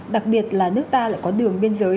đặc biệt là nước ta lại có đường biên giới